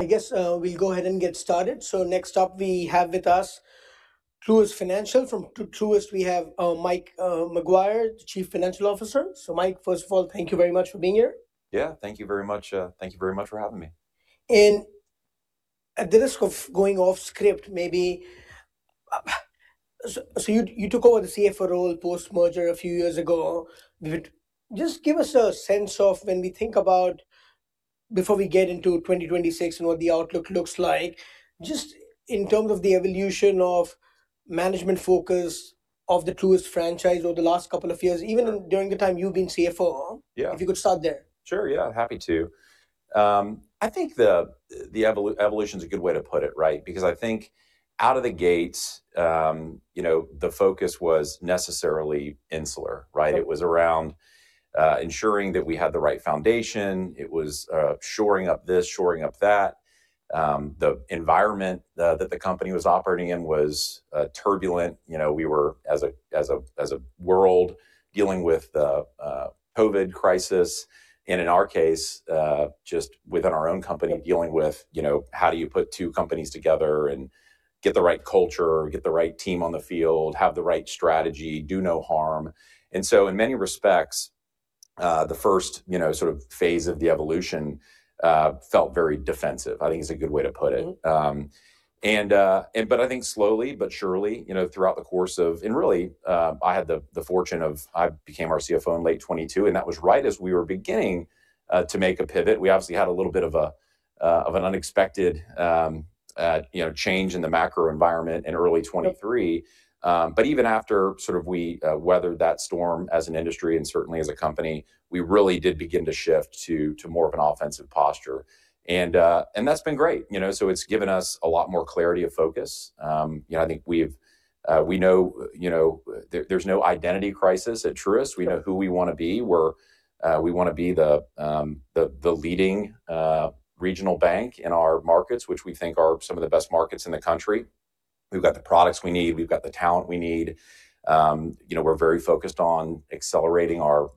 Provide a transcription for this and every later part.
I guess we'll go ahead and get started. So next up we have with us Truist Financial. From Truist we have Mike Maguire, the Chief Financial Officer. So Mike, first of all, thank you very much for being here. Yeah, thank you very much. Thank you very much for having me. At the risk of going off script, maybe so you took over the CFO role post-merger a few years ago. Just give us a sense of when we think about before we get into 2026 and what the outlook looks like, just in terms of the evolution of management focus of the Truist franchise over the last couple of years, even during the time you've been CFO. If you could start there. Sure, yeah, happy to. I think the evolution is a good way to put it, right? Because I think out of the gates, the focus was necessarily insular. It was around ensuring that we had the right foundation. It was shoring up this, shoring up that. The environment that the company was operating in was turbulent. We were as a world dealing with the COVID crisis. And in our case, just within our own company dealing with how do you put two companies together and get the right culture, get the right team on the field, have the right strategy, do no harm. And so in many respects, the first phase of the evolution felt very defensive, I think is a good way to put it. But I think slowly but surely, throughout the course of and really, I had the fortune of I became our CFO in late 2022, and that was right as we were beginning to make a pivot. We obviously had a little bit of an unexpected change in the macro environment in early 2023. But even after we weathered that storm as an industry and certainly as a company, we really did begin to shift to more of an offensive posture. And that's been great. So it's given us a lot more clarity of focus. I think we know there's no identity crisis at Truist. We know who we want to be. We want to be the leading regional bank in our markets, which we think are some of the best markets in the country. We've got the products we need. We've got the talent we need. We're very focused on accelerating our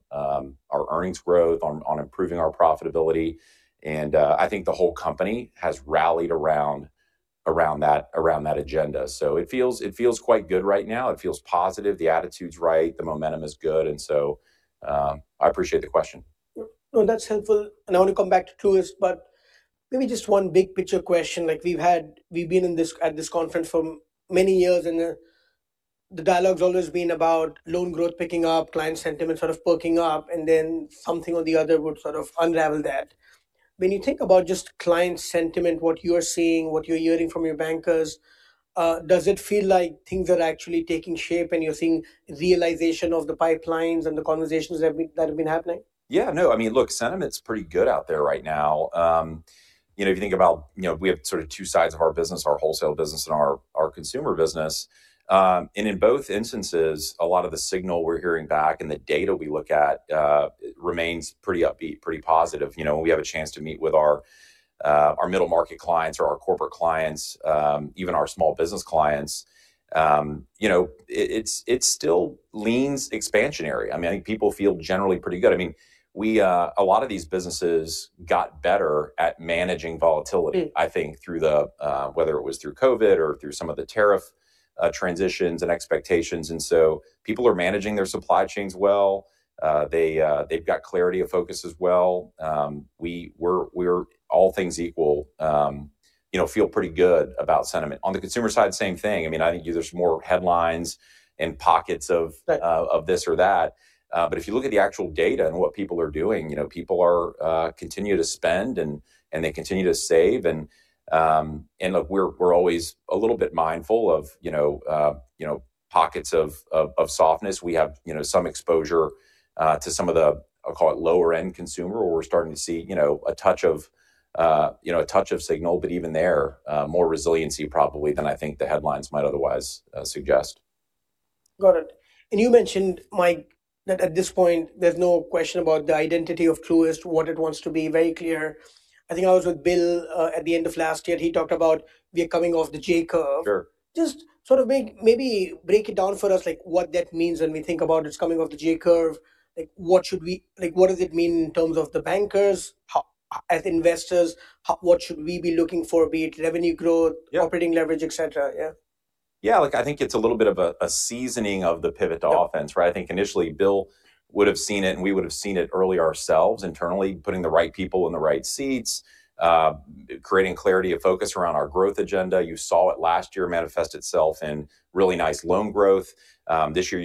earnings growth, on improving our profitability. I think the whole company has rallied around that agenda. It feels quite good right now. It feels positive. The attitude is right. The momentum is good. I appreciate the question. That's helpful. I want to come back to Truist, but maybe just one big picture question. We've been at this conference for many years, and the dialogue has always been about loan growth picking up, client sentiment sort of perking up, and then something or the other would unravel that. When you think about just client sentiment, what you are seeing, what you're hearing from your bankers, does it feel like things are actually taking shape and you're seeing realization of the pipelines and the conversations that have been happening? Yeah, no. I mean, look, sentiment is pretty good out there right now. If you think about it, we have two sides of our business, our wholesale business and our consumer business. And in both instances, a lot of the signal we're hearing back and the data we look at remains pretty upbeat, pretty positive. When we have a chance to meet with our middle market clients or our corporate clients, even our small business clients, it still leans expansionary. I mean, I think people feel generally pretty good. I mean, a lot of these businesses got better at managing volatility, I think, whether it was through COVID or through some of the tariff transitions and expectations. And so people are managing their supply chains well. They've got clarity of focus as well. We're, all things equal, feel pretty good about sentiment. On the consumer side, same thing. I mean, I think there's more headlines and pockets of this or that. But if you look at the actual data and what people are doing, people continue to spend and they continue to save. And look, we're always a little bit mindful of pockets of softness. We have some exposure to some of the, I'll call it lower-end consumer, where we're starting to see a touch of signal, but even there, more resiliency probably than I think the headlines might otherwise suggest. Got it. And you mentioned, Mike, that at this point, there's no question about the identity of Truist, what it wants to be, very clear. I think I was with Bill at the end of last year. He talked about we are coming off the J-curve. Just maybe break it down for us what that means when we think about it's coming off the J-curve. What does it mean in terms of the bankers as investors? What should we be looking for, be it revenue growth, operating leverage, et cetera? Yeah. Yeah, I think it's a little bit of a seasoning of the pivot offense. I think initially, Bill would have seen it, and we would have seen it early ourselves internally, putting the right people in the right seats, creating clarity of focus around our growth agenda. You saw it last year manifest itself in really nice loan growth. This year,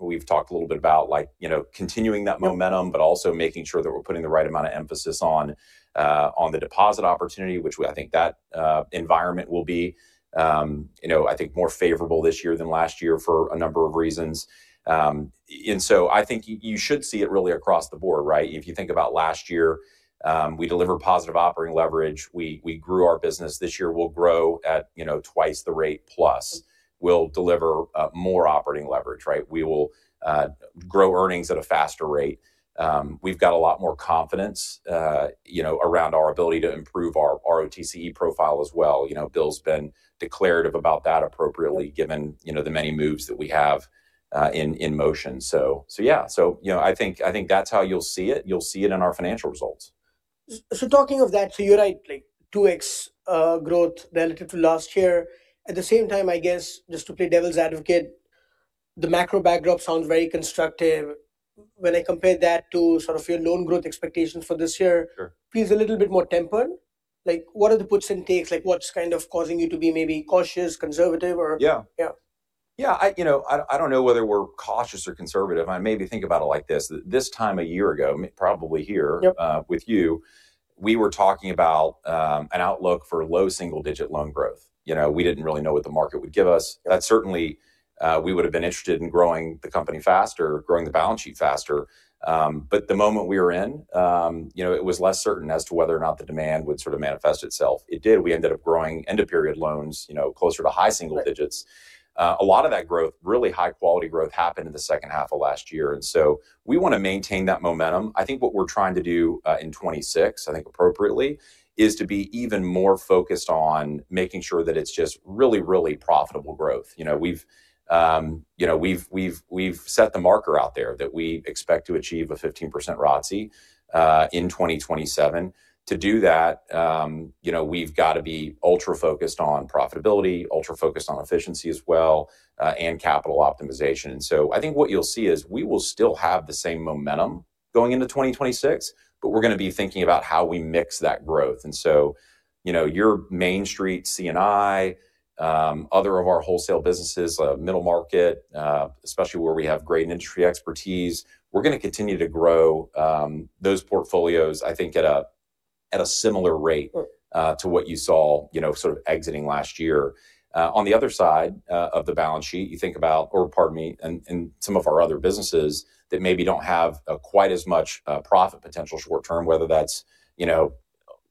we've talked a little bit about continuing that momentum, but also making sure that we're putting the right amount of emphasis on the deposit opportunity, which I think that environment will be, I think, more favorable this year than last year for a number of reasons. And so I think you should see it really across the board. If you think about last year, we delivered positive operating leverage. We grew our business. This year, we'll grow at twice the rate plus. We'll deliver more operating leverage. We will grow earnings at a faster rate. We've got a lot more confidence around our ability to improve our ROTCE profile as well. Bill's been declarative about that appropriately, given the many moves that we have in motion. So yeah, I think that's how you'll see it. You'll see it in our financial results. So, talking of that, so you're right, 2x growth relative to last year. At the same time, I guess, just to play devil's advocate, the macro backdrop sounds very constructive. When I compare that to your loan growth expectations for this year, feels a little bit more tempered. What are the puts and takes? What's kind of causing you to be maybe cautious, conservative? Yeah. Yeah, I don't know whether we're cautious or conservative. I maybe think about it like this. This time a year ago, probably here with you, we were talking about an outlook for low single-digit loan growth. We didn't really know what the market would give us. Certainly, we would have been interested in growing the company faster, growing the balance sheet faster. But the moment we were in, it was less certain as to whether or not the demand would manifest itself. It did. We ended up growing end-of-period loans closer to high single digits. A lot of that growth, really high-quality growth, happened in the second half of last year. And so we want to maintain that momentum. I think what we're trying to do in 2026, I think appropriately, is to be even more focused on making sure that it's just really, really profitable growth. We've set the marker out there that we expect to achieve a 15% ROTCE in 2027. To do that, we've got to be ultra-focused on profitability, ultra-focused on efficiency as well, and capital optimization. And so I think what you'll see is we will still have the same momentum going into 2026, but we're going to be thinking about how we mix that growth. And so your Main Street C&I, other of our wholesale businesses, middle market, especially where we have great industry expertise, we're going to continue to grow those portfolios, I think, at a similar rate to what you saw exiting last year. On the other side of the balance sheet, you think about, or pardon me, and some of our other businesses that maybe don't have quite as much profit potential short term, whether that's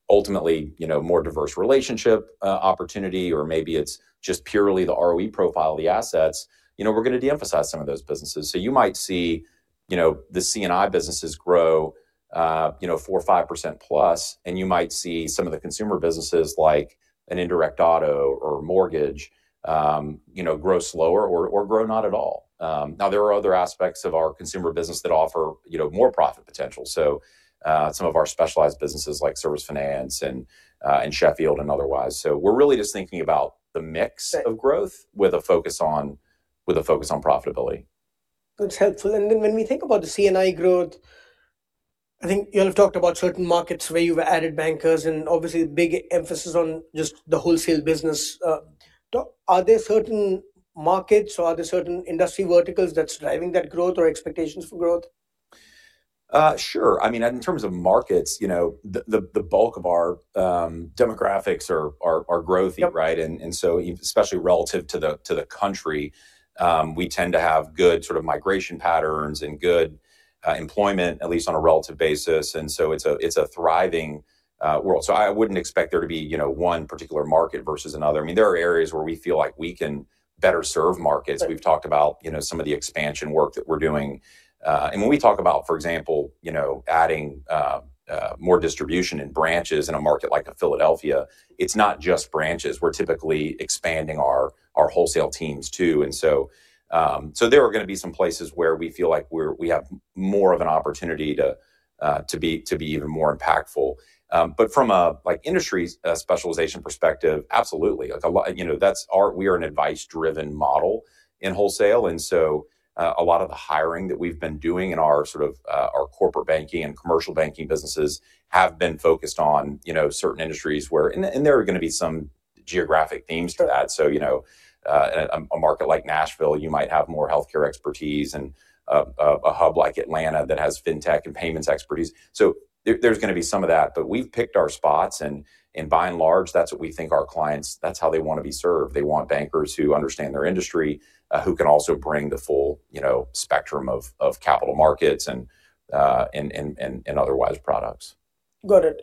ultimately more diverse relationship opportunity or maybe it's just purely the ROE profile of the assets, we're going to de-emphasize some of those businesses. So you might see the C&I businesses grow 4+%, 5+%, and you might see some of the consumer businesses like an indirect auto or mortgage grow slower or grow not at all. Now, there are other aspects of our consumer business that offer more profit potential. So some of our specialized businesses like Service Finance and Sheffield and otherwise. So we're really just thinking about the mix of growth with a focus on profitability. That's helpful. Then when we think about the C&I growth, I think you all have talked about certain markets where you've added bankers and obviously big emphasis on just the wholesale business. Are there certain markets or are there certain industry verticals that's driving that growth or expectations for growth? Sure. I mean, in terms of markets, the bulk of our demographics are growthy. And so especially relative to the country, we tend to have good migration patterns and good employment, at least on a relative basis. And so it's a thriving world. So I wouldn't expect there to be one particular market versus another. I mean, there are areas where we feel like we can better serve markets. We've talked about some of the expansion work that we're doing. And when we talk about, for example, adding more distribution in branches in a market like Philadelphia, it's not just branches. We're typically expanding our wholesale teams too. And so there are going to be some places where we feel like we have more of an opportunity to be even more impactful. But from an industry specialization perspective, absolutely. We are an advice-driven model in wholesale. So a lot of the hiring that we've been doing in our corporate banking and commercial banking businesses have been focused on certain industries where, and there are going to be some geographic themes to that. So in a market like Nashville, you might have more healthcare expertise and a hub like Atlanta that has fintech and payments expertise. So there's going to be some of that. But we've picked our spots. And by and large, that's what we think our clients, that's how they want to be served. They want bankers who understand their industry, who can also bring the full spectrum of capital markets and otherwise products. Got it.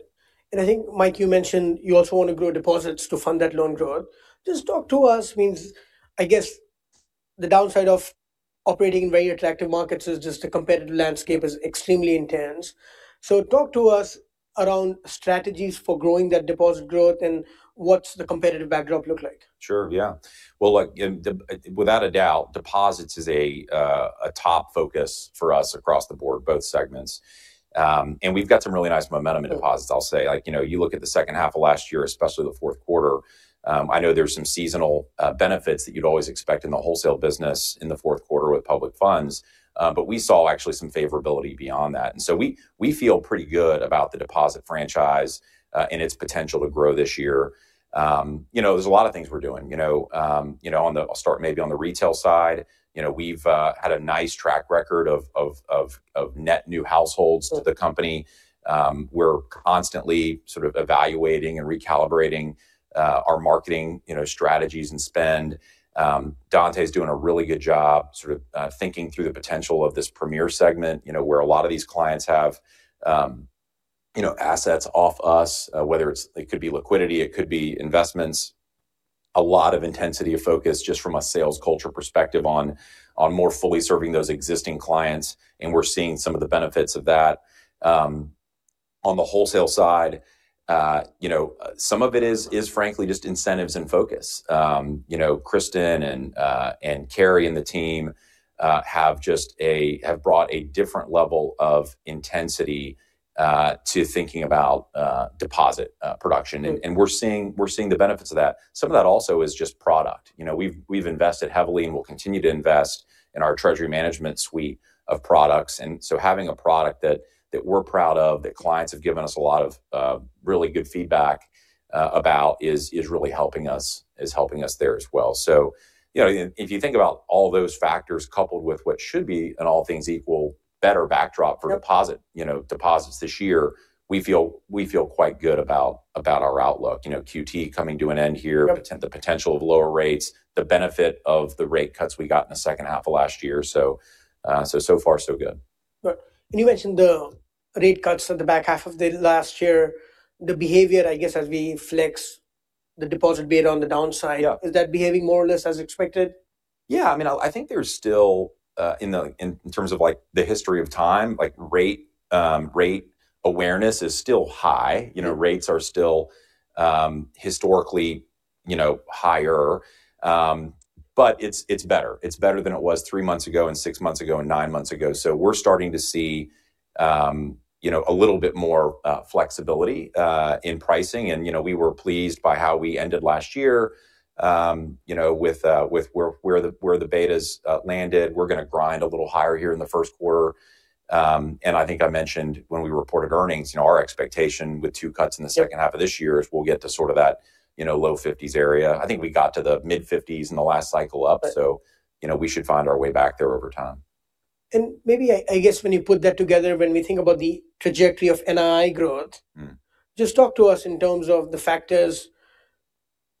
And I think, Mike, you mentioned you also want to grow deposits to fund that loan growth. Just talk to us. I guess the downside of operating in very attractive markets is just the competitive landscape is extremely intense. So talk to us around strategies for growing that deposit growth and what's the competitive backdrop look like? Sure, yeah. Well, without a doubt, deposits is a top focus for us across the board, both segments. We've got some really nice momentum in deposits, I'll say. You look at the second half of last year, especially the fourth quarter. I know there's some seasonal benefits that you'd always expect in the wholesale business in the fourth quarter with public funds. But we saw actually some favorability beyond that. And so we feel pretty good about the deposit franchise and its potential to grow this year. There's a lot of things we're doing. I'll start maybe on the retail side. We've had a nice track record of net new households to the company. We're constantly evaluating and recalibrating our marketing strategies and spend. Dontá is doing a really good job thinking through the potential of this Premier segment where a lot of these clients have assets off us, whether it could be liquidity, it could be investments. A lot of intensity of focus just from a sales culture perspective on more fully serving those existing clients. And we're seeing some of the benefits of that. On the wholesale side, some of it is, frankly, just incentives and focus. Kristin and Kelly and the team have brought a different level of intensity to thinking about deposit production. And we're seeing the benefits of that. Some of that also is just product. We've invested heavily and we'll continue to invest in our treasury management suite of products. And so having a product that we're proud of, that clients have given us a lot of really good feedback about, is really helping us there as well. So if you think about all those factors coupled with what should be an all things equal, better backdrop for deposits this year, we feel quite good about our outlook. QT coming to an end here, the potential of lower rates, the benefit of the rate cuts we got in the second half of last year. So far, so good. You mentioned the rate cuts in the back half of last year. The behavior, I guess, as we flex the deposit bid on the downside, is that behaving more or less as expected? Yeah. I mean, I think there's still, in terms of the history of time, rate awareness is still high. Rates are still historically higher. But it's better. It's better than it was 3 months ago and 6 months ago and 9 months ago. So we're starting to see a little bit more flexibility in pricing. And we were pleased by how we ended last year with where the betas landed. We're going to grind a little higher here in the first quarter. And I think I mentioned when we reported earnings, our expectation with 2 cuts in the second half of this year is we'll get to that low 50s area. I think we got to the mid 50s in the last cycle up. So we should find our way back there over time. And maybe, I guess, when you put that together, when we think about the trajectory of NII growth, just talk to us in terms of the factors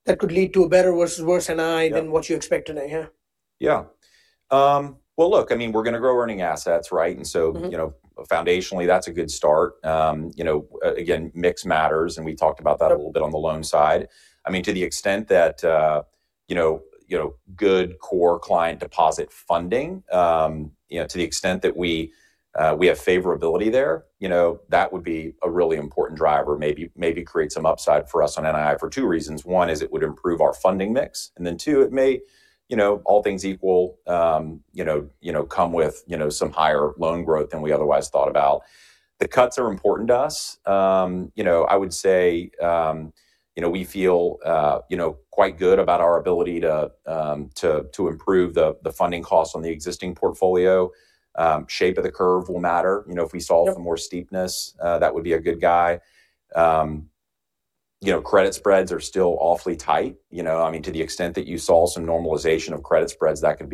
that could lead to a better versus worse NII than what you expect today. Yeah. Yeah. Well, look, I mean, we're going to grow earning assets. And so foundationally, that's a good start. Again, mix matters. And we talked about that a little bit on the loan side. I mean, to the extent that good core client deposit funding, to the extent that we have favorability there, that would be a really important driver, maybe create some upside for us on NII for two reasons. One is it would improve our funding mix. And then two, it may, all things equal, come with some higher loan growth than we otherwise thought about. The cuts are important to us. I would say we feel quite good about our ability to improve the funding costs on the existing portfolio. Shape of the curve will matter. If we saw some more steepness, that would be a good thing. Credit spreads are still awfully tight. I mean, to the extent that you saw some normalization of credit spreads, that could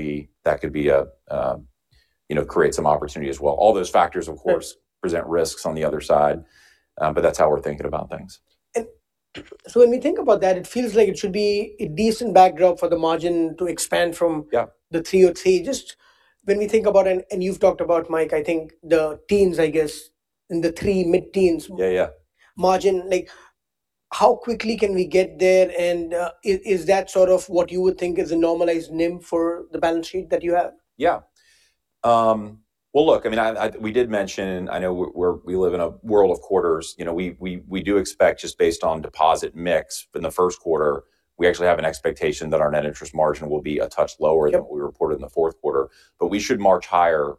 create some opportunity as well. All those factors, of course, present risks on the other side. But that's how we're thinking about things. So when we think about that, it feels like it should be a decent backdrop for the margin to expand from the 3.03. Just when we think about, and you've talked about, Mike, I think the teams, I guess, to the 3.05% margin, how quickly can we get there? And is that sort of what you would think is a normalized NIM for the balance sheet that you have? Yeah. Well, look, I mean, we did mention, and I know we live in a world of quarters, we do expect just based on deposit mix in the first quarter, we actually have an expectation that our net interest margin will be a touch lower than what we reported in the fourth quarter. But we should march higher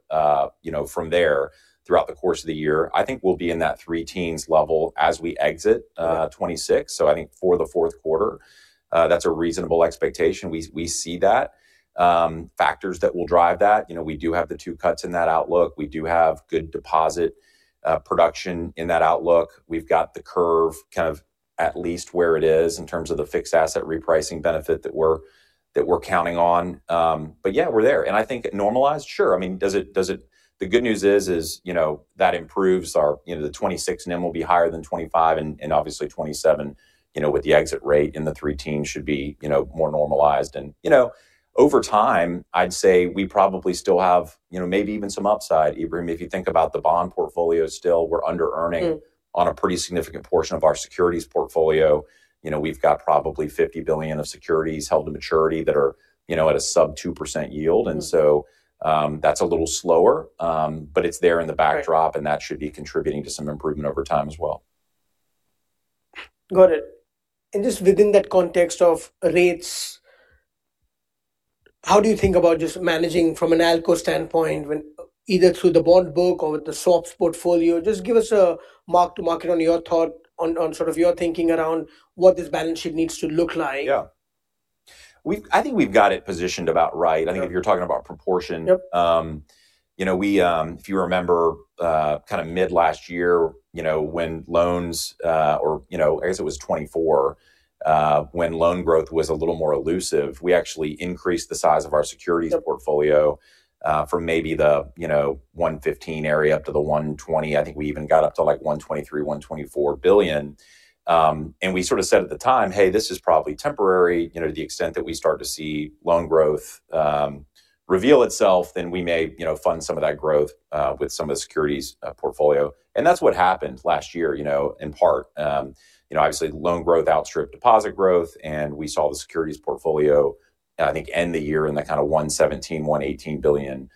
from there throughout the course of the year. I think we'll be in that three-teens level as we exit 2026. So I think for the fourth quarter, that's a reasonable expectation. We see that. Factors that will drive that, we do have the two cuts in that outlook. We do have good deposit production in that outlook. We've got the curve kind of at least where it is in terms of the fixed asset repricing benefit that we're counting on. But yeah, we're there. And I think normalized, sure. I mean, the good news is that improves our 2026 NIM will be higher than 2025. And obviously, 2027 with the exit rate in the three-teens should be more normalized. And over time, I'd say we probably still have maybe even some upside. Ebrahim, if you think about the bond portfolio still, we're under-earning on a pretty significant portion of our securities portfolio. We've got probably $50 billion of securities held to maturity that are at a sub-2% yield. And so that's a little slower. But it's there in the backdrop. And that should be contributing to some improvement over time as well. Got it. Just within that context of rates, how do you think about just managing from an ALCO standpoint, either through the bond book or with the swaps portfolio? Just give us a mark-to-market on your thought, on your thinking around what this balance sheet needs to look like. Yeah. I think we've got it positioned about right. I think if you're talking about proportion, if you remember kind of mid last year when loans, or I guess it was 2024, when loan growth was a little more elusive, we actually increased the size of our securities portfolio from maybe the $115 billion area up to the $120 billion. I think we even got up to like $123 billion-$124 billion. And we sort of said at the time, hey, this is probably temporary. To the extent that we start to see loan growth reveal itself, then we may fund some of that growth with some of the securities portfolio. And that's what happened last year, in part. Obviously, loan growth outstripped deposit growth. And we saw the securities portfolio, I think, end the year in that kind of $117 billion-$118 billion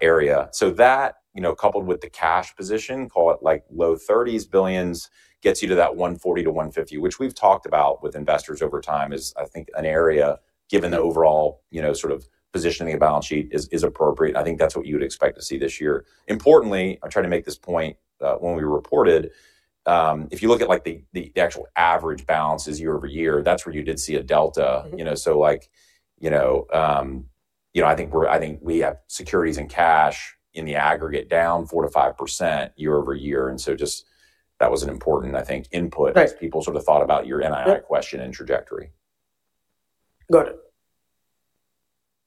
area. So that, coupled with the cash position, call it like low-30s billion, gets you to that $140 billion-$150 billion, which we've talked about with investors over time is, I think, an area, given the overall positioning of the balance sheet, is appropriate. And I think that's what you would expect to see this year. Importantly, I tried to make this point when we reported, if you look at the actual average balances year-over-year, that's where you did see a delta. So I think we have securities and cash in the aggregate down 4%-5% year-over-year. And so just that was an important, I think, input as people sort of thought about your NII question and trajectory. Got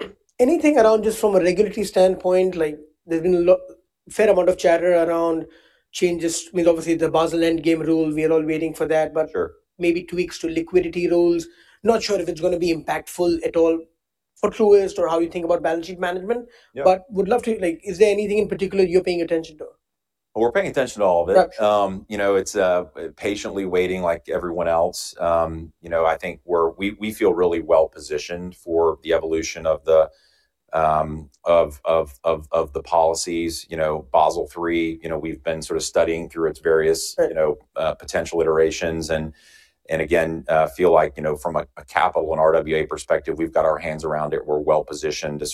it. Anything around just from a regulatory standpoint? There's been a fair amount of chatter around changes. I mean, obviously, the Basel Endgame rule. We are all waiting for that. But maybe tweaks to liquidity rules. Not sure if it's going to be impactful at all for Truist or how you think about balance sheet management. But would love to, is there anything in particular you're paying attention to? We're paying attention to all of it. It's patiently waiting like everyone else. I think we feel really well positioned for the evolution of the policies. Basel III, we've been studying through its various potential iterations. And again, feel like from a capital and RWA perspective, we've got our hands around it. We're well positioned to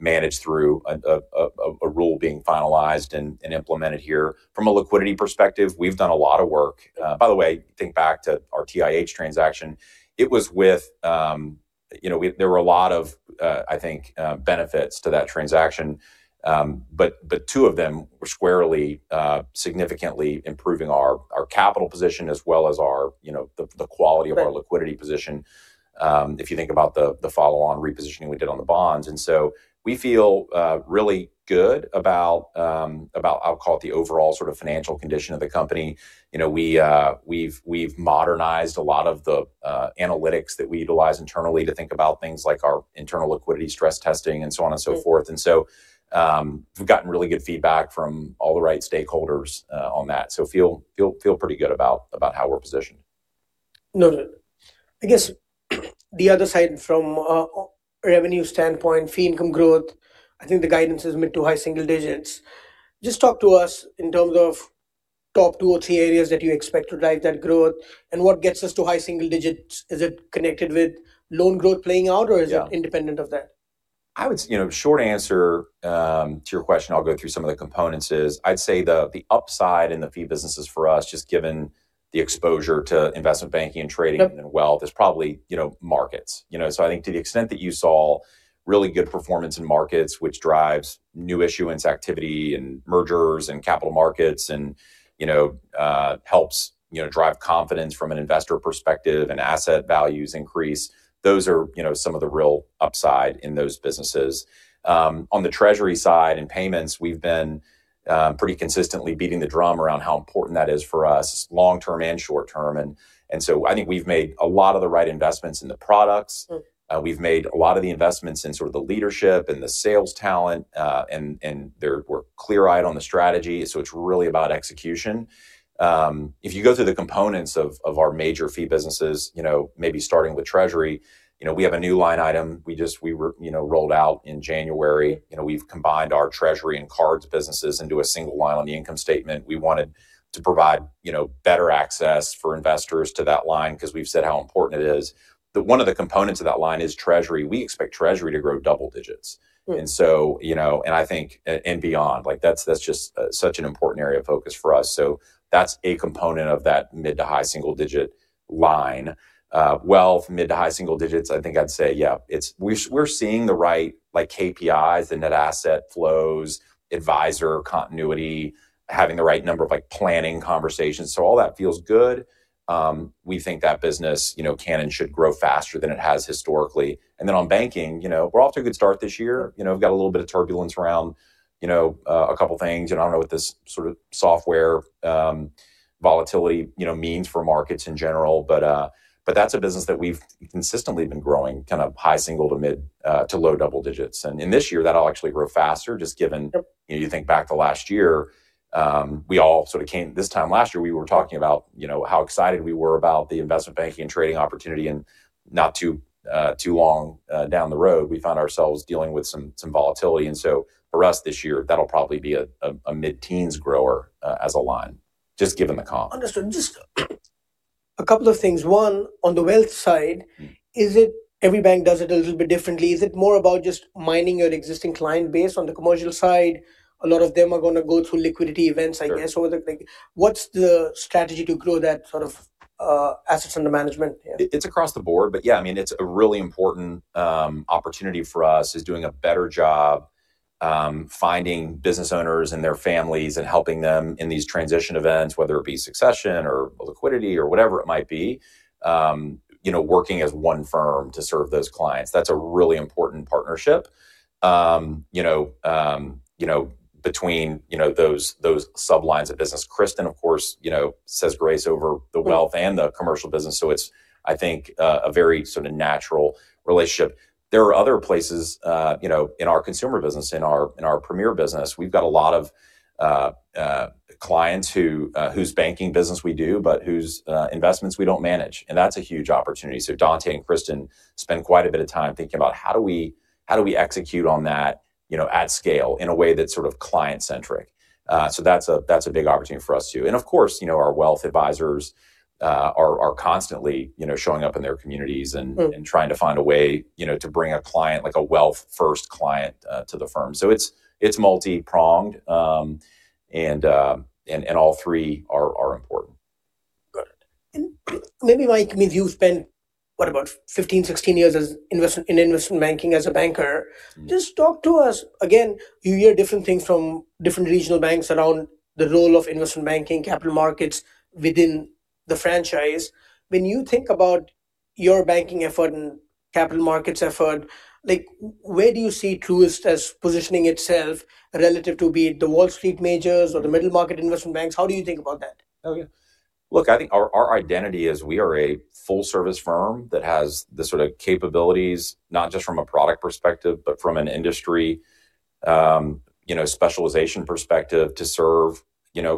manage through a rule being finalized and implemented here. From a liquidity perspective, we've done a lot of work. By the way, think back to our TIH transaction. It was with there were a lot of, I think, benefits to that transaction. But two of them were squarely, significantly improving our capital position as well as the quality of our liquidity position, if you think about the follow-on repositioning we did on the bonds. And so we feel really good about, I'll call it the overall financial condition of the company. We've modernized a lot of the analytics that we utilize internally to think about things like our internal liquidity stress testing and so on and so forth. And so we've gotten really good feedback from all the right stakeholders on that. So feel pretty good about how we're positioned. Noted. I guess the other side, from a revenue standpoint, fee income growth, I think the guidance is mid- to high-single-digits. Just talk to us in terms of top two or three areas that you expect to drive that growth. And what gets us to high-single-digits? Is it connected with loan growth playing out, or is it independent of that? Short answer to your question, I'll go through some of the components. I'd say the upside in the fee businesses for us, just given the exposure to investment banking and trading and then wealth, is probably markets. So I think to the extent that you saw really good performance in markets, which drives new issuance activity and mergers and capital markets and helps drive confidence from an investor perspective and asset values increase, those are some of the real upside in those businesses. On the treasury side and payments, we've been pretty consistently beating the drum around how important that is for us, long-term and short-term. And so I think we've made a lot of the right investments in the products. We've made a lot of the investments in the leadership and the sales talent. And we're clear-eyed on the strategy. So it's really about execution. If you go through the components of our major fee businesses, maybe starting with treasury, we have a new line item we rolled out in January. We've combined our treasury and cards businesses into a single line on the income statement. We wanted to provide better access for investors to that line because we've said how important it is. One of the components of that line is treasury. We expect treasury to grow double digits. And I think, and beyond, that's just such an important area of focus for us. So that's a component of that mid- to high-single-digit line. Wealth, mid- to high-single-digits, I think I'd say, yeah, we're seeing the right KPIs, the net asset flows, advisor continuity, having the right number of planning conversations. So all that feels good. We think that business can and should grow faster than it has historically. And then on banking, we're off to a good start this year. We've got a little bit of turbulence around a couple of things. I don't know what this software volatility means for markets in general. But that's a business that we've consistently been growing kind of high single to mid to low double digits. And in this year, that'll actually grow faster, just given you think back to last year, we all sort of came this time last year, we were talking about how excited we were about the investment banking and trading opportunity. And not too long down the road, we found ourselves dealing with some volatility. And so for us this year, that'll probably be a mid-teens grower as a line, just given the comp. Understood. Just a couple of things. One, on the wealth side, is it every bank does it a little bit differently? Is it more about just mining your existing client base? On the commercial side, a lot of them are going to go through liquidity events, I guess. What's the strategy to grow that assets under management? It's across the board. But yeah, I mean, it's a really important opportunity for us is doing a better job finding business owners and their families and helping them in these transition events, whether it be succession or liquidity or whatever it might be, working as one firm to serve those clients. That's a really important partnership between those sublines of business. Kristin, of course, says grace over the wealth and the commercial business. So it's, I think, a very natural relationship. There are other places in our consumer business, in our Premier business, we've got a lot of clients whose banking business we do, but whose investments we don't manage. And that's a huge opportunity. So Dontá and Kristin spend quite a bit of time thinking about how do we execute on that at scale in a way that's client-centric. So that's a big opportunity for us too. And of course, our wealth advisors are constantly showing up in their communities and trying to find a way to bring a client, like a wealth-first client, to the firm. So it's multi-pronged. And all three are important. Got it. And maybe, Mike, I mean, you've spent, what, about 15, 16 years in investment banking as a banker. Just talk to us. Again, you hear different things from different regional banks around the role of investment banking, capital markets within the franchise. When you think about your banking effort and capital markets effort, where do you see Truist as positioning itself relative to be it the Wall Street majors or the middle market investment banks? How do you think about that? Oh, yeah. Look, I think our identity is we are a full-service firm that has the capabilities, not just from a product perspective, but from an industry specialization perspective, to serve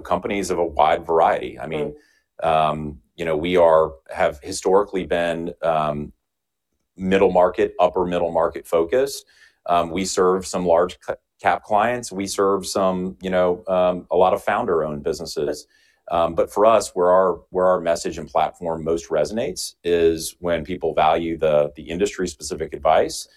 companies of a wide variety. I mean, we have historically been middle market, upper middle market focused. We serve some large cap clients. We serve a lot of founder-owned businesses. But for us, where our message and platform most resonates is when people value the industry-specific advice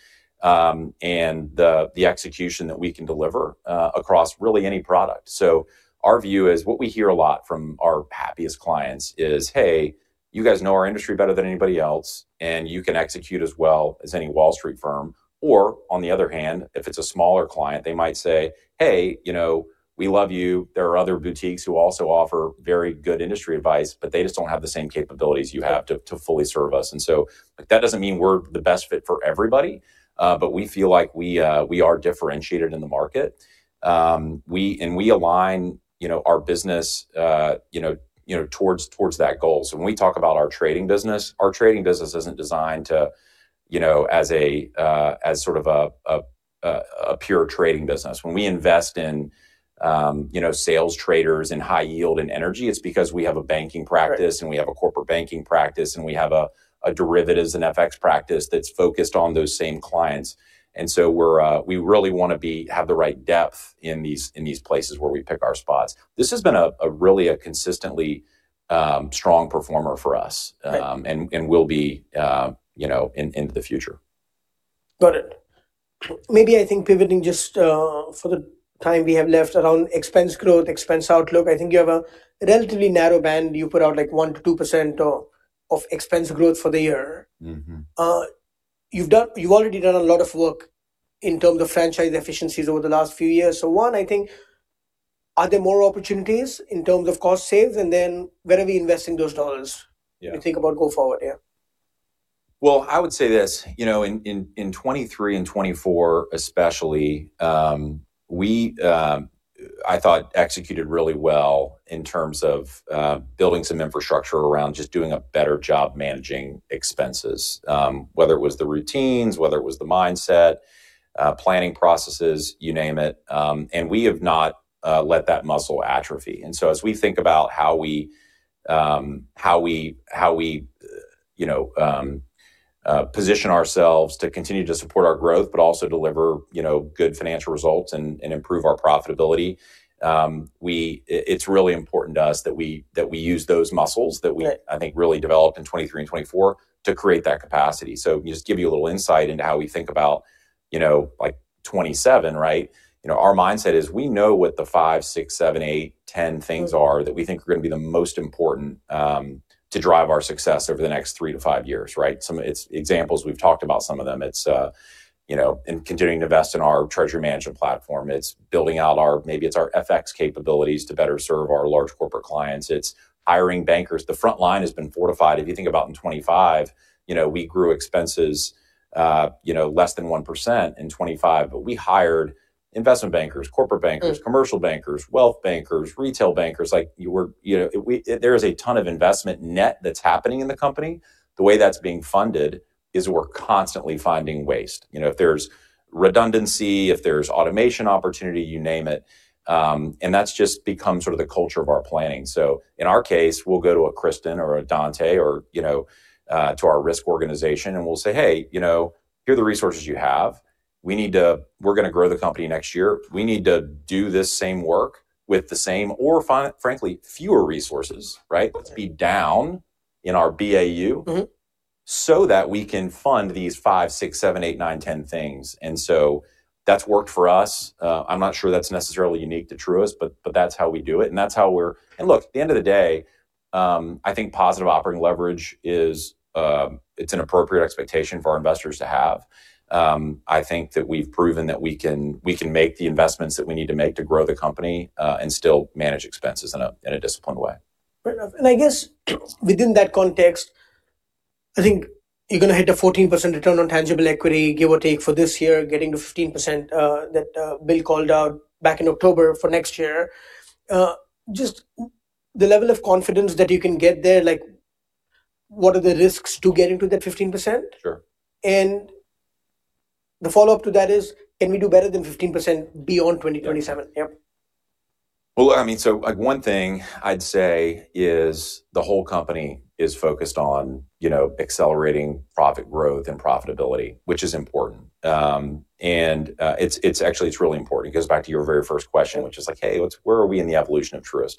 and the execution that we can deliver across really any product. So our view is what we hear a lot from our happiest clients is, hey, you guys know our industry better than anybody else. And you can execute as well as any Wall Street firm. Or on the other hand, if it's a smaller client, they might say, hey, we love you. There are other boutiques who also offer very good industry advice. But they just don't have the same capabilities you have to fully serve us. So that doesn't mean we're the best fit for everybody. But we feel like we are differentiated in the market. We align our business towards that goal. So when we talk about our trading business, our trading business isn't designed as sort of a pure trading business. When we invest in sales traders in high yield and energy, it's because we have a banking practice. We have a corporate banking practice. We have a derivatives and FX practice that's focused on those same clients. So we really want to have the right depth in these places where we pick our spots. This has been really a consistently strong performer for us and will be in the future. Got it. Maybe I think pivoting just for the time we have left around expense growth, expense outlook. I think you have a relatively narrow band. You put out like 1%-2% of expense growth for the year. You've already done a lot of work in terms of franchise efficiencies over the last few years. So one, I think, are there more opportunities in terms of cost saves? And then where are we investing those dollars when you think about going forward? Yeah. Well, I would say this. In 2023 and 2024 especially, I thought executed really well in terms of building some infrastructure around just doing a better job managing expenses, whether it was the routines, whether it was the mindset, planning processes, you name it. And we have not let that muscle atrophy. And so as we think about how we position ourselves to continue to support our growth, but also deliver good financial results and improve our profitability, it's really important to us that we use those muscles that we, I think, really developed in 2023 and 2024 to create that capacity. So just to give you a little insight into how we think about 2027, right, our mindset is we know what the 5, 6, 7, 8, 10 things are that we think are going to be the most important to drive our success over the next 3-5 years, right? It's examples. We've talked about some of them. It's continuing to invest in our treasury management platform. It's building out our maybe it's our FX capabilities to better serve our large corporate clients. It's hiring bankers. The front line has been fortified. If you think about in 2025, we grew expenses less than 1% in 2025. But we hired investment bankers, corporate bankers, commercial bankers, wealth bankers, retail bankers. There is a ton of investment net that's happening in the company. The way that's being funded is we're constantly finding waste. If there's redundancy, if there's automation opportunity, you name it. And that's just become sort of the culture of our planning. So in our case, we'll go to a Kristin or a Dontá or to our risk organization. And we'll say, hey, here are the resources you have. We're going to grow the company next year. We need to do this same work with the same or, frankly, fewer resources, right? Let's be down in our BAU so that we can fund these 5, 6, 7, 8, 9, 10 things. And so that's worked for us. I'm not sure that's necessarily unique to Truist. But that's how we do it. And that's how we're and look, at the end of the day, I think positive operating leverage, it's an appropriate expectation for our investors to have. I think that we've proven that we can make the investments that we need to make to grow the company and still manage expenses in a disciplined way. Right. And I guess within that context, I think you're going to hit a 14% return on tangible equity, give or take, for this year, getting to 15% that Bill called out back in October for next year. Just the level of confidence that you can get there, what are the risks to getting to that 15%? Sure. The follow-up to that is, can we do better than 15% beyond 2027? Yep. Well, I mean, so one thing I'd say is the whole company is focused on accelerating profit growth and profitability, which is important. Actually, it's really important. It goes back to your very first question, which is like, hey, where are we in the evolution of Truist?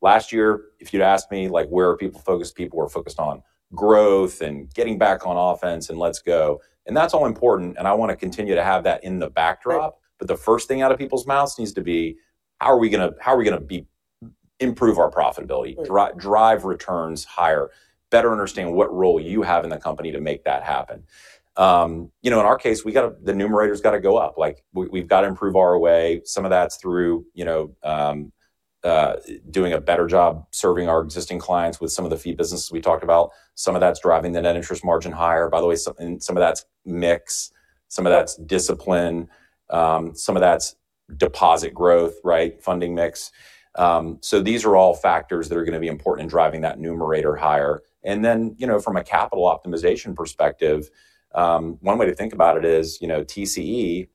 Last year, if you'd asked me where people focused, people were focused on growth and getting back on offense and let's go. And that's all important. And I want to continue to have that in the backdrop. But the first thing out of people's mouths needs to be, how are we going to improve our profitability, drive returns higher, better understand what role you have in the company to make that happen? In our case, the numerator's got to go up. We've got to improve our way. Some of that's through doing a better job serving our existing clients with some of the fee businesses we talked about. Some of that's driving the net interest margin higher. By the way, some of that's mix. Some of that's discipline. Some of that's deposit growth, right, funding mix. So these are all factors that are going to be important in driving that numerator higher. And then from a capital optimization perspective, one way to think about it is TCE,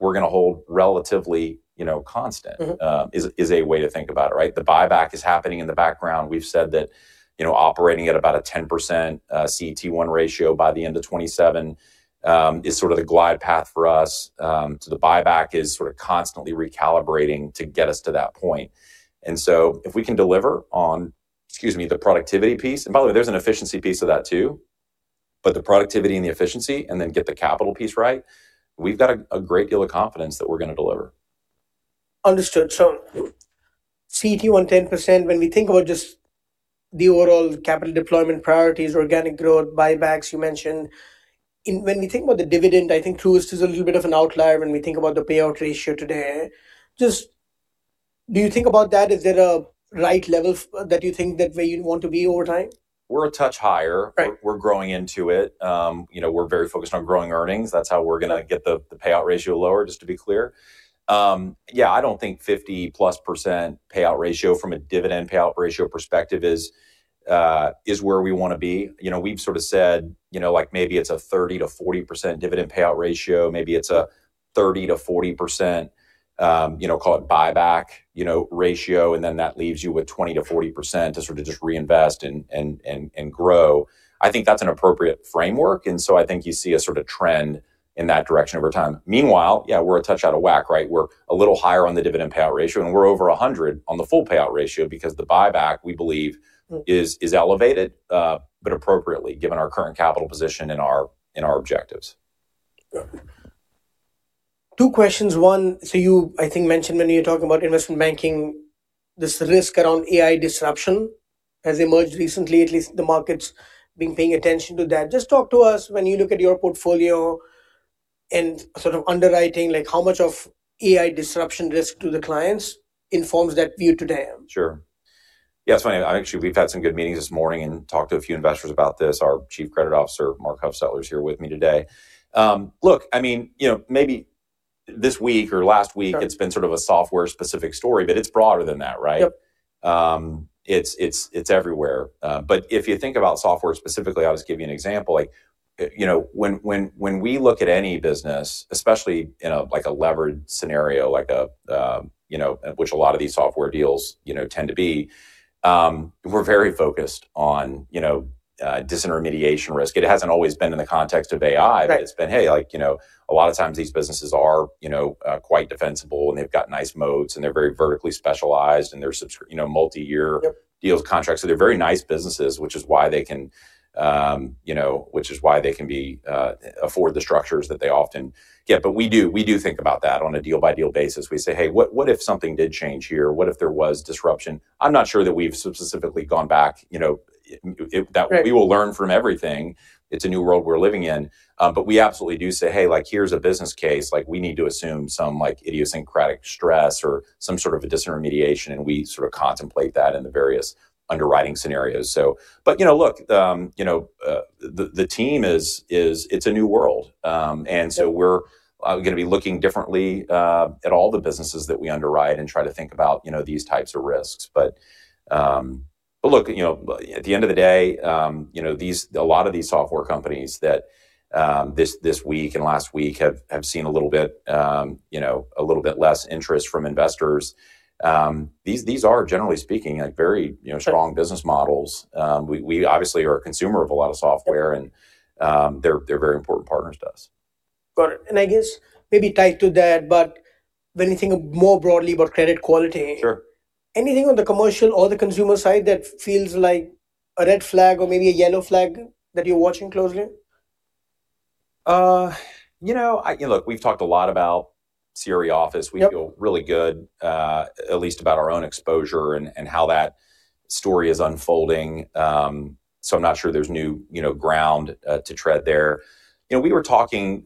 we're going to hold relatively constant, is a way to think about it, right? The buyback is happening in the background. We've said that operating at about a 10% CET1 ratio by the end of 2027 is sort of the glide path for us. So the buyback is sort of constantly recalibrating to get us to that point. If we can deliver on, excuse me, the productivity piece and by the way, there's an efficiency piece of that too. The productivity and the efficiency and then get the capital piece right, we've got a great deal of confidence that we're going to deliver. Understood. So CET1 10%, when we think about just the overall capital deployment priorities, organic growth, buybacks, you mentioned. When we think about the dividend, I think Truist is a little bit of an outlier when we think about the payout ratio today. Do you think about that? Is there a right level that you think that where you want to be over time? We're a touch higher. We're growing into it. We're very focused on growing earnings. That's how we're going to get the payout ratio lower, just to be clear. Yeah, I don't think 50%+ payout ratio from a dividend payout ratio perspective is where we want to be. We've sort of said maybe it's a 30%-40% dividend payout ratio. Maybe it's a 30%-40%, call it buyback ratio. And then that leaves you with 20%-40% to sort of just reinvest and grow. I think that's an appropriate framework. And so I think you see a trend in that direction over time. Meanwhile, yeah, we're a touch out of whack, right? We're a little higher on the dividend payout ratio. And we're over 100% on the full payout ratio because the buyback, we believe, is elevated, but appropriately, given our current capital position and our objectives. Got it. Two questions. One, so you, I think, mentioned when you were talking about investment banking, this risk around AI disruption has emerged recently, at least the market's been paying attention to that. Just talk to us when you look at your portfolio and sort of underwriting, how much of AI disruption risk to the clients informs that view today? Sure. Yeah, it's funny. Actually, we've had some good meetings this morning and talked to a few investors about this. Our Chief Credit Officer, Mark Huffstetler, is here with me today. Look, I mean, maybe this week or last week, it's been sort of a software-specific story. But it's broader than that, right? It's everywhere. But if you think about software specifically, I'll just give you an example. When we look at any business, especially in a leveraged scenario, which a lot of these software deals tend to be, we're very focused on disintermediation risk. It hasn't always been in the context of AI. But it's been, hey, a lot of times, these businesses are quite defensible. And they've got nice modes. And they're very vertically specialized. And they're multi-year deals, contracts. So they're very nice businesses, which is why they can afford the structures that they often get. But we do think about that on a deal-by-deal basis. We say, hey, what if something did change here? What if there was disruption? I'm not sure that we've specifically gone back. We will learn from everything. It's a new world we're living in. But we absolutely do say, hey, here's a business case. We need to assume some idiosyncratic stress or some sort of a disintermediation. And we sort of contemplate that in the various underwriting scenarios. But look, the team is. It's a new world. And so we're going to be looking differently at all the businesses that we underwrite and try to think about these types of risks. Look, at the end of the day, a lot of these software companies that this week and last week have seen a little bit less interest from investors, these are, generally speaking, very strong business models. We obviously are a consumer of a lot of software. They're very important partners to us. Got it. And I guess maybe tied to that, but when you think more broadly about credit quality, anything on the commercial or the consumer side that feels like a red flag or maybe a yellow flag that you're watching closely? You know, look, we've talked a lot about CRE Office. We feel really good, at least about our own exposure and how that story is unfolding. So I'm not sure there's new ground to tread there. We were talking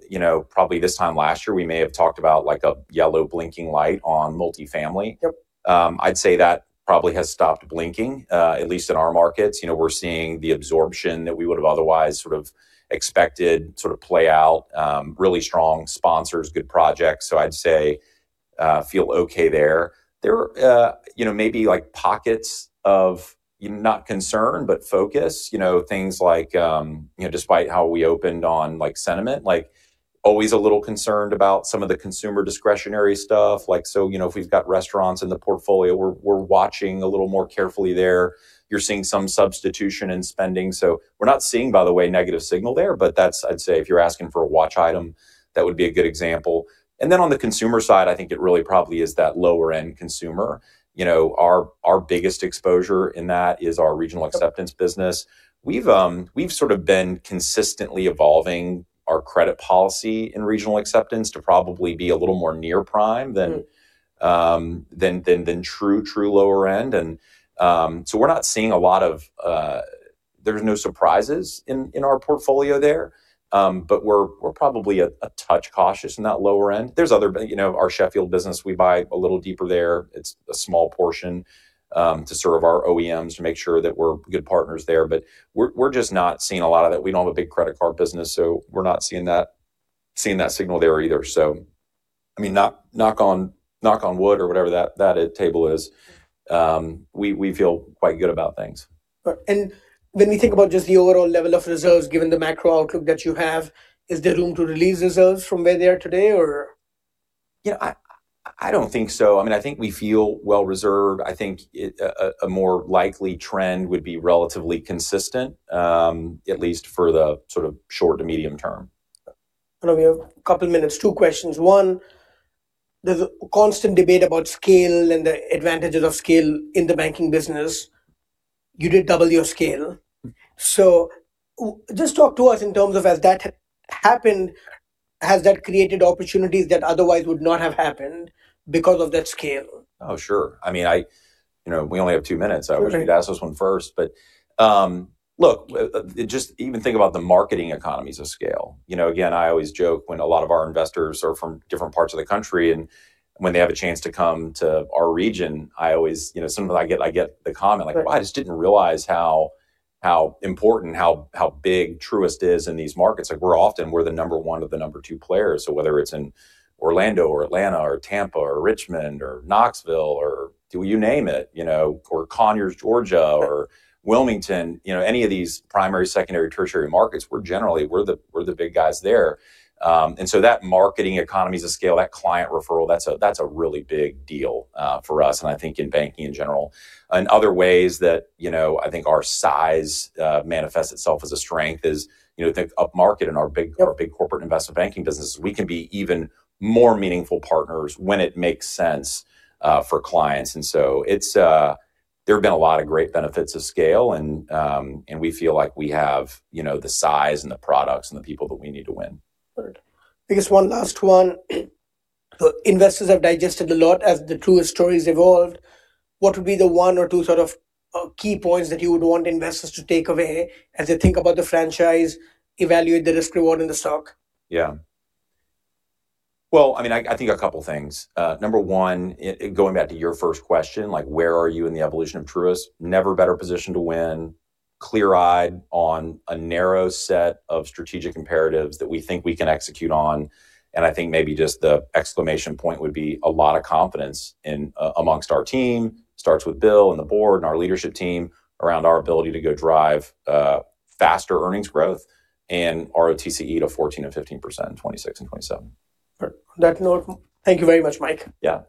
probably this time last year, we may have talked about a yellow blinking light on multifamily. I'd say that probably has stopped blinking, at least in our markets. We're seeing the absorption that we would have otherwise sort of expected sort of play out, really strong sponsors, good projects. So I'd say feel OK there. There are maybe pockets of not concern, but focus, things like despite how we opened on sentiment, always a little concerned about some of the consumer discretionary stuff. So if we've got restaurants in the portfolio, we're watching a little more carefully there. You're seeing some substitution in spending. So we're not seeing, by the way, a negative signal there. But I'd say if you're asking for a watch item, that would be a good example. And then on the consumer side, I think it really probably is that lower-end consumer. Our biggest exposure in that is our Regional Acceptance business. We've sort of been consistently evolving our credit policy in Regional Acceptance to probably be a little more near prime than true, true lower end. And so we're not seeing a lot of. There's no surprises in our portfolio there. But we're probably a touch cautious in that lower end. There's other, our Sheffield business, we buy a little deeper there. It's a small portion to serve our OEMs to make sure that we're good partners there. But we're just not seeing a lot of that. We don't have a big credit card business. So we're not seeing that signal there either. So I mean, knock on wood or whatever that table is, we feel quite good about things. When we think about just the overall level of reserves, given the macro outlook that you have, is there room to release reserves from where they are today, or? I don't think so. I mean, I think we feel well-reserved. I think a more likely trend would be relatively consistent, at least for the short to medium term. I know we have a couple of minutes. Two questions. One, there's a constant debate about scale and the advantages of scale in the banking business. You did double your scale. So just talk to us in terms of, as that happened, has that created opportunities that otherwise would not have happened because of that scale? Oh, sure. I mean, we only have two minutes. I wish you'd asked us one first. But look, just even think about the marketing economies of scale. Again, I always joke when a lot of our investors are from different parts of the country. And when they have a chance to come to our region, I always sometimes I get the comment like, well, I just didn't realize how important, how big Truist is in these markets. We're often, we're the number one or the number two players. So whether it's in Orlando or Atlanta or Tampa or Richmond or Knoxville or you name it or Conyers, Georgia or Wilmington, any of these primary, secondary, tertiary markets, we're generally, we're the big guys there. And so that marketing economies of scale, that client referral, that's a really big deal for us, and I think in banking in general. Other ways that I think our size manifests itself as a strength is: think upmarket in our big corporate investment banking businesses, we can be even more meaningful partners when it makes sense for clients. So there have been a lot of great benefits of scale. We feel like we have the size and the products and the people that we need to win. Got it. I guess one last one. Investors have digested a lot. As the Truist stories evolved, what would be the one or two sort of key points that you would want investors to take away as they think about the franchise, evaluate the risk-reward in the stock? Yeah. Well, I mean, I think a couple of things. Number one, going back to your first question, where are you in the evolution of Truist? Never better positioned to win, clear-eyed on a narrow set of strategic imperatives that we think we can execute on. And I think maybe just the exclamation point would be a lot of confidence amongst our team, starts with Bill and the board and our leadership team around our ability to go drive faster earnings growth and our TCE to 14% and 15% in 2026 and 2027. All right. On that note, thank you very much, Mike. Yeah.